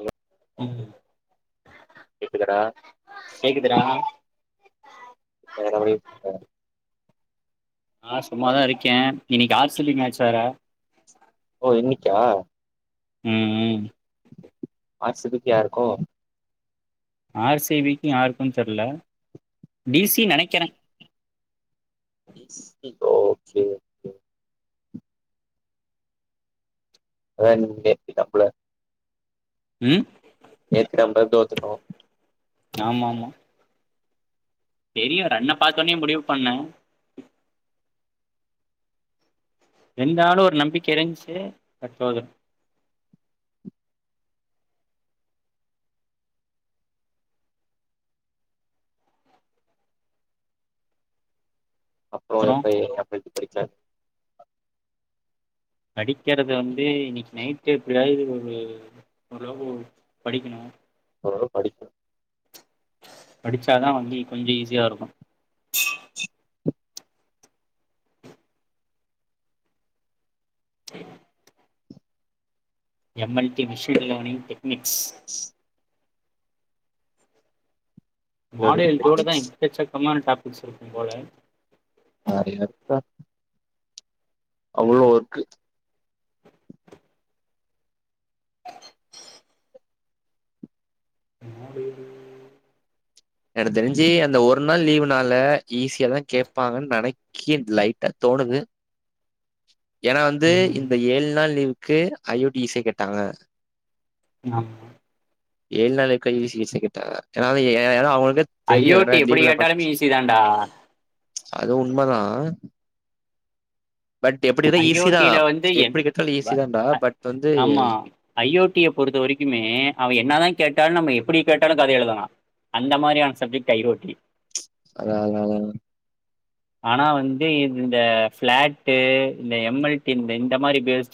Hello ம் கேக்குதாடா கேக்குதுடா வேறவடி [unintelligible] ஆ சும்மாதா இருக் இருக்கே இன்னைக்கு ஆர் சி பி மேச் வேற க்கா ம் ம் ஆசபத்தியாருக்கோ ஆர் சி பிக்கு யாருக்குன் தெரல டி சி நெனைக்கிறே ஓகே ஒகே அநேத்து கப்புல ம் நேத்து நம்ப தோத்துட்டோ ஆமா ஆமா தெரியு ரன்ன பாத்தோனே முடிவு பண்ணே இருந்தாலு ஒரு நம்பிக்கை இருந்துச்சு அது போது அப்புற அப்றோ எப்ப எப்ப படிக்கா படிக்கறத வந்து இன்னைக்கு நைட்டு் எப்படியாவது ஒரு ஓரளவு படிக்கணு அவ படிக்கு படிச்சாதா வங்கி கொஞ்ச ஈஸியா இருக்கு [inaudible] எம் எல் டி விஷன கவினிங்ட்டு மிக்ஸ் மாலடல் தோட தா எக்கசக்கமா சாப்பிஸ் இருக்கு போல அரியப்பா அவ்ளோ ஒர்க்கு மாடல் எனக்கு தெரிஞ்சு அந்த ஒரு நாள் லீவு்னால ஈஸியாதா கேப்பாங்கன்னு நெனைக்கி லைட்டா தோணுது ஏன்னா வந்து ம் இந்த ஏழு நாள் லீவுக்கு அயோடி இசை கேட்டாங்க ஆமா ஏழு நாள் க சிகிச்சை கேட்டாங்க ஏன ஏா அவங்களுக் ஐயோட்டி எப்படி கேட்டாலுமே ஈசி தான்டா அது உண்மை தா ஐ ஓ தா டில வந்து எப்டி கேட்டாலு ஈஸி தான்டா பட் வந்து ஆமா எப் அ ஐ ஓ டி பொறுத்த வரைக்குமே அவ என்ன தா கேட்டாலு நம்ம எப்படி கேட்டாலு கதை எழுதலா அந்த மாதிரியான சப்ஜெக்ட் ஐ ஓ டி அத அத ஆனா வந்து இ இந்த பிளாட்டு இந்த எம் எல் டி இந்த இந்த மாரி பேஸ்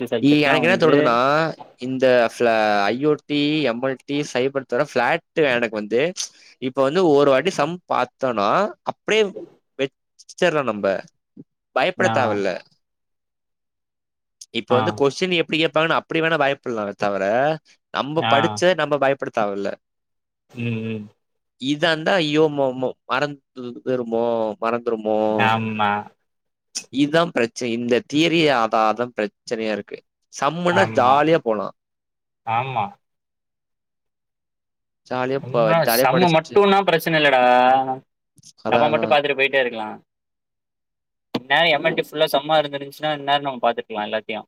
எனக்கு என்ன தோனுதுனா இந்த பிளா I I O T M எல்ட் D சை பரத்துர பிளாட் எனக்கு வந்து இப்ப வந்து ஒரு வாட்டி சம் பாத்தோனா அப்டியே வெச்சிற நம்ம நான் பயப்படத்தேவல இப்ப ஆ வந்து கொஸ்டின் எப் எப்படி கேட்பாங்கன்னா அப்டி வேணா பயப்புலாமே தவிர நம்ம ஆ படிச்ச நம்ம பயப்படுத்த தவல ம் ம் இதந்தா ஐயோ ம ம மறந்து போயிருமோ மறந்துருமோ ஆமா இதா பிரச்சனை இந்த தீரியாதாதா பிரச்ச சரியா இருக்கு சம்முனா ஆமா ஜாலியா போலா ஆமா ஜாலியா ப ம் ஜாலியா செம்ம படிச்சுட்டு மட்டும்னா பிரச்சனை இல்லடா அதா செம்ம அதா மட்டு பாத்துட்டு போயிட்டேருக்கலா இன்நேர ஏம்மன்ட்டி ஃபுல்லா செம்மா இருந்துருந்துச்சுன்னா இன்நேர நம்ம பாத்துக்கலா எல்லாத்தையு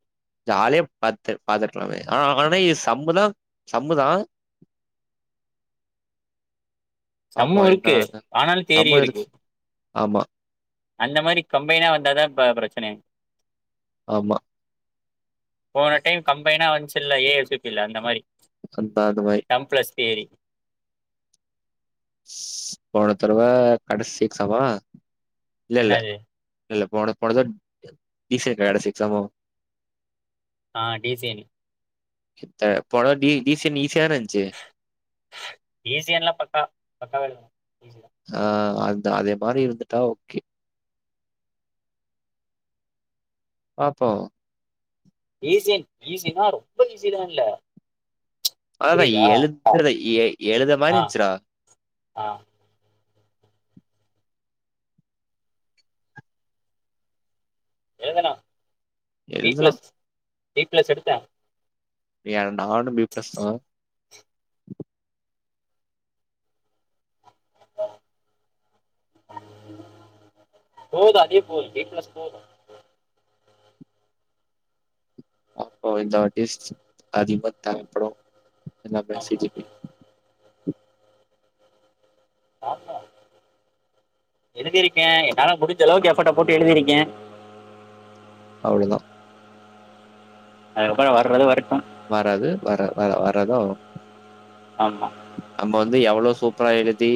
ஜாலியா பத்து பாத்துகருக்கலாமே ஆனா இது சம்முதா சம்முதா பாப்போ சம்மு இருக்கு என்னானு ஆனால் தேரியு இருக்கு ஆமா அந்த மாரி கம்பைனா வந்தாதா ப பிரச்சனை ஆமா போன டைம் கம்பைனா வந்துச்சல ஏஃப் பி ல அந்த மாரி அந்தாதுபாய் சம் பிளஸ் தியரி ஸ் போன தடவ கடைசி எக்ஸாமா இல்ல இல்ல என்னாது இல்ல போன போத டி செ கடைசி எக்சாமோ ஆஹ் டிசெனின் த்த போன தடவ டி டி சி நீ ஈஸியான்ல்லா பக்கா பக்காவ இருக் ஆ அந்த அதே மாரி இருந்துட்டா ஓகே பாப்போ ஈசியன் ஈஸினா ரொம்ப ஈஸிலா இல்ல அததா புரியுதா எழுத்றத எ எழுத ஆ மாரின்ச்றா ஆ ஏதனா பி எழுதலா ப்ளஸ் எய்ட் ப்ளஸ் எடுத்த நீ நானு பி ப்ளஸ்தா போது அதே போல் பி ப்லஸ் போது அப்போ இந்த அடிஸ்ட்ஸ் அதிப்ப தரப்பறோ என்ன ஆமா மெசேஜீப்பி பாப்போ எழுதிருக்கே என்னால முடிஞ்ச அளவுக்கு எஃபட்ட போட்டு எழுதிருக்கே அவ்ளோதா அதுக்கப்ற வர்றது வரட்டு வராது வர வர வரது ஆமா நம்ப வந்து எவ்வளோ சூப்பரா எழுதி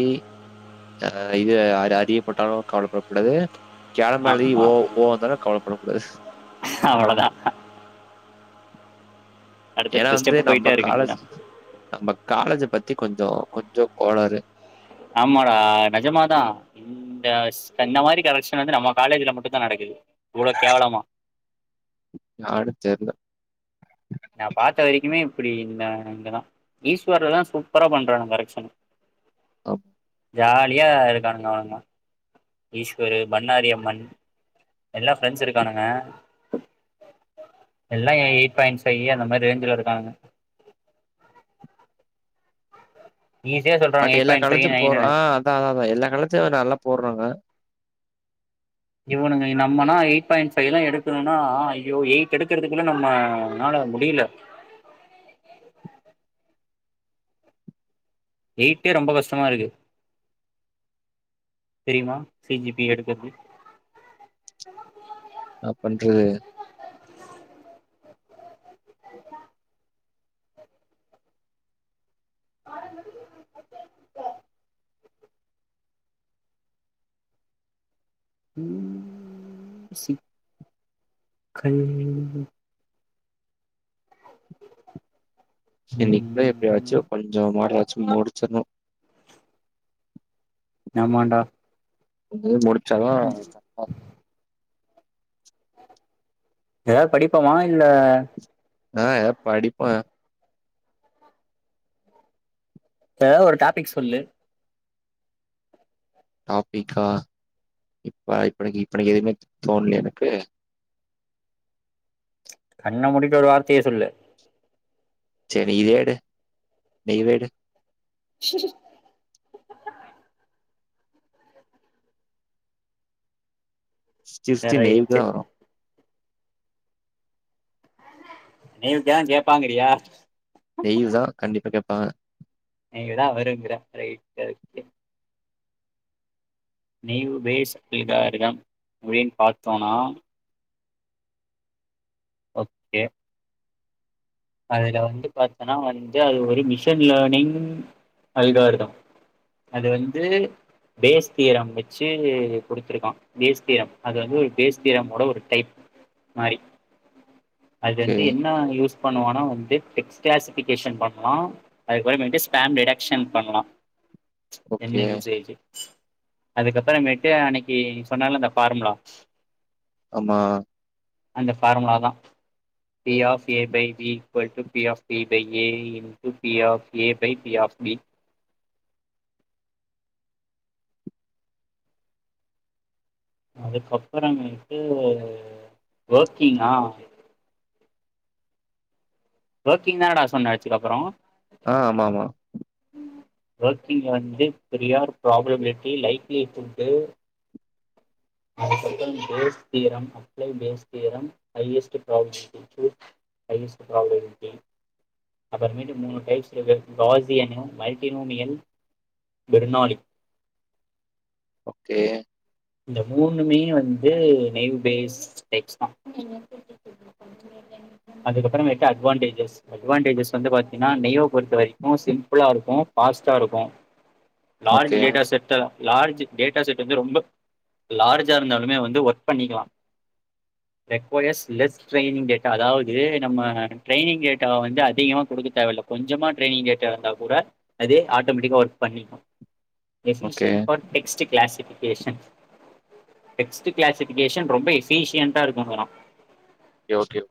அ இது அ அறிய போட்டாலு கவலப்படக்கூடாது கேளமளி ஆமா ஓ ஓ ந்தாலு கவல பட கூடாது அவ்ளோதா ஏன்னா அடுத்தடுத்த வந்து ஸ்டெப் நம்ப போயிட்டே இருக்கு காலஜ் நம்ப காலேஜ பத்தி கொஞ்சோ கொஞ்சோ கோளாறு ஆமாடா நெஜமாதா இந்த ஸ் இந்த மாரி கரெக்ஷன் வந்து நம்ம காலேஜ்ல மட்டுந்தா நடக்கு அச் யார்னு தெர்ல நா பாத்த வரிக்குமே இப்படி இந்த இங்கத ஈஸ்வர்லலா சூப்பரா பண்றாங்க கரெக்க்ஷன்னு ஒ ஜாலியா இருக்கானுங்க அவனுங்க ஈஸ்வரு பண்ணாரி அம்மன் எல்லா ஃப்ரெண்ட்ஸ் இருக்கானுங்க எல்லா எயிட் பாயின்ட் ஃபை அந்த மாரி ரேஞ்ச்ல இருக்கானுங்க ஈஸியா சொல்றாங்க பட் எல்லா காலச்சு போறோ ஆ அதாதா அதா எல்லா காலச்சு நல்லா போட்றாங்க இவனுங்க நம்மனா எயிட் பாயிண்ட் ஃபைவ்லா எடுக்கரோம்னா ஐயோ எயிட் எடுக்கிறதுக்குள்ள நம்ம னால முடியில எயிட்டே ரொம்ப கஷ்டமா இருக்கு தெரியுமா சி ஜி பி எடுக்கர்து நா பண்றது [unintelligible] ஆ [unintelligible] ம் ஸிப் கன் இன்னிக்கு போய் ம் எப்பயாச்சு கொஞ்ச மாட்டுன சும்முடிச்சன்னு நாம்மாண்டா செல்லா [unintelligible] ஏதாது படிப்பமா இல்ல ஆ யத படிப்போ ஏதாது ஒரு டாபிக் சொல்லு டாபிக்கா இப்ப இப்பக்கு இப்பக்கு எதுமே தோணலயே எனக்கு கண்ண மூடிட்டு ஒரு வார்த்தையே சொல்லு சரி இத எடு நீ இத எடு சரி சிஃப்டி நைவுக்கு ரைட்டு தா வரு நீவுக்கதா கேப்பாங்கிறியா ஆ நீங்கதா வருங்குற ரைட்டு ஓகே நவு பேசலதாரிட அப்படின்னு பாத்தோனா ஓகே அதுல வந்து பார்த்தோன்னா வந்து அது ஒரு மிஷன் லேர்னிங் அலிகாரதம் அது வந்து பேஸ்தீரம் வச்சு கொடடுத்திருக்கா பேஸ்தீரம் அது வந்து ஒரு பேஸ்தீரமோட ஒரு டைப் மாரி அது ஓகே, வந்து என்னா யூஸ் பண்ணுவானா வந்து டெக்ஸ்டாக் சிபிகேஷன் பண்ணலா பிளான் ரிடக்சன் பண்ணலா ஓகே. என்ன யூசேஜ்க்கு அதுக்கப்புறம்மேட்டு அன்னைக்கு சொன்னாலு இந்த ஃபார்முலா ஆமா அந்த ஃபார்முலா தா P of A by B equal to P of B by A into P of A by P of B அதுக்கப்றோ [unintelligible] ட்டு வொர்க்கிங்கா வொர்க்கிங் தானடா சொன்ன [unintelligible] அப்பறோ ஆ ஆமாமா வொர்க் இங்க வந்து பெரிய ஒரு ப்ராப்ளமாயிட்டு life [inaudible] base theorem apply base theorem highest [inaudible] highest [inaudible] அப்பற மேட்டு மூனு டைப்ஸ் இருக்கு காசியன் [unintelligible] மல்டி நோமியல் பெர்னாலி ஓகே இந்த மூனுமே வந்து நேம் பேஸ் [inaudible] அதுக்கப்பற மேட்டு அட்வான்டேஜஸ், அட்வான்டேஜஸ் வந்து பாத்தீன்னா [unintelligible] பொறுத்த வரைக்கு சிம்பிளா இருக்கு ஃபாஸ்ட்டா இருக்கு ஓகே, லார்ஜு கேட்டா செட் எல்லா லார்ஜு டேட்டா செட் வந்து ரொம்ப லார்ஜா இருந்தாலுமே வந்து ஒர்க் பண்ணிக்கலா லெக்வொயஸ் லெஸ் ட்ரைனிங் டேட்டா அதாவ்து நம்ம ட்ரைனிங் டேட்டா வந்து அதிகமா குடுக்க தேவயில்ல கொஞ்சமா ட்ரைனிங் டேட்டா இருந்தா கூட அது ஆட்டமெட்டிக்கா ஒர்க் பண்ணிக்லா okay. Decision for text classifications text classification ரொம்ப எஃபீசியன்டா இருக்குங்கறா கே ஓகே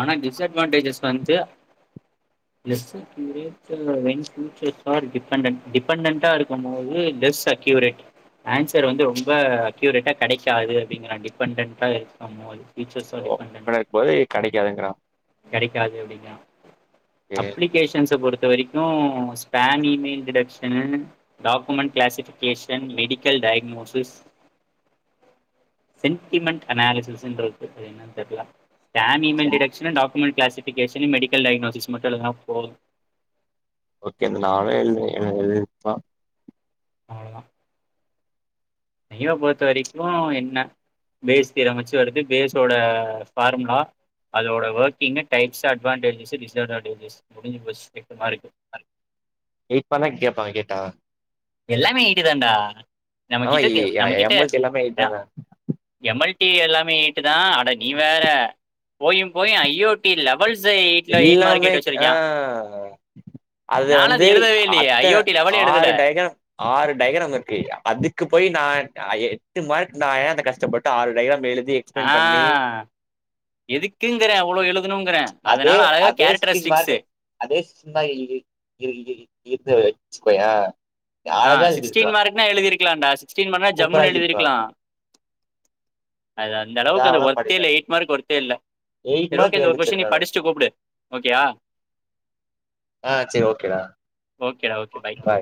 ஆனா டிஸ்அட்வான்டேஜஸ் வந்து less accurate [unintelligible] futures are dependent டிபெண்டன்ட்டா இருக்கும் போது லெஸ் அக்யூரெட் ஆன்சர் வந்து ரொம்ப அக்யூரெட்டா கெடைக்காது அப்டிங்கறா டிபெண்டன்ட்டா இருக்கும்போது ஃபியூச்சர்ஸ் ஆர் ஓ [inaudible] போய் கடைக் காதுங்கிறா கெடைக்காது அப்டிங்கறா அப்ளிகேஷன்ஸ பொருத் து வரைக்கு spam email detection, document classification, medical diagnosis, sentiment அனாலிசிஸ்ஸுன்ருக்கு அது என்னன் தெர்ல பேம் ஈ மெய்ல் சரி detection document classification medical diagnosis மட்டு எழுதுனா போது ஓகே இந்த நாலு எழுது எழ் எழுதிர்க்கலா அவ்ள தா [unintelligible] பொறுத்த வரைக்கு என்ன பேஸ் தியரம் வெச்சு வருது பேஸோட ஃபார்முலா அதோட ஒர்க்கிங்கு டைப்ஸு அட்வான்டேஜஸு டிஸ்அட்வான்டேஜஸ் முடிஞ்சு போச்சி எட்டு மார்க்கு [inaudible] கேப்பாங்க கேட்டா எல்லாமே எய்ட்டு தண்டா ஆமா இ அ எம் எல்ஸ் எல்லாமே எய்ட் தானா டி எல்லாமே எய்ட்டு தா அட நீ வேற போயும்போயு ஐ ஓ டி லெ எல்லாமே ஆ அதுல நானும் வந்து அது எழுதவே இல்லையே அத்தன ஐஓடி லெவலே எழுதல ஆறு டைக்ராம் ஆறு டைக்ராம் இருக்கு அதுக்கு போய் நா ஐயே எட்டு மார்க் ந ஏ அந்த கஷ்டப்பட்டு ஆறு டைக்ராம் எழு ஆ எதுக்குங்கறே அவ்வளோ எழுதணுங்கறே அதே அதனால அழகா அதே சிஸ்டீன் மார்கு கேரக்டரிஸ்டிக்ஸு அதே [inaudible] ன் மார்கு இ இ இர்கு இர்கு இர்குது வெச்சுக்கோயே ஆ சிக்ஸ்டீன் மார்க்னா எழுதிருக் இருக்லாண்டா டீன் மார்க் நா ஜம்ன்னு எழுதிருக்கலா அது அந்த அளவுக்கு அந்த தேவயில்லாம ஒரத்தே இல்ல பண்ணிட்டாரு எயிட் மார்க் ஒரத்தே இல்ல எயிட் சரி ஓகே மார்க் அ ஒரு கொஸின் நீ அடிச்சிருக்காங்க படிச்சட்டு கூப்பிடு ஓகேயா ஆ சரி ஓகேடா ஓகேட ஓகே ப பாய்